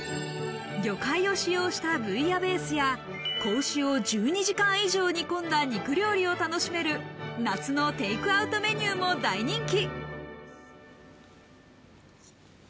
魚介を使用したブイヤベースや仔牛を１２時間以上煮込んだ肉料理を楽しめる夏のテークアウトメニューも大人気。